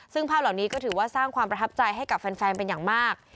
ซึ่งภาพเหล่านี้ก็ถือว่าสร้างความประทับใจให้กับแฟนเป็นอย่างมาก